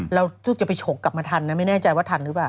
จะไปฉกกลับมาทันนะไม่แน่ใจว่าทันหรือเปล่า